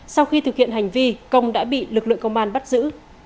sau khi thực hiện hành vi công đã bị lực lượng công an bắt giữ